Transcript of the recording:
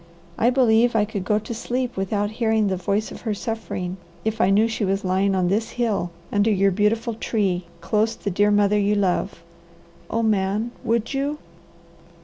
I believe I could go to sleep without hearing the voice of her suffering, if I knew she was lying on this hill, under your beautiful tree, close the dear mother you love. Oh Man, would you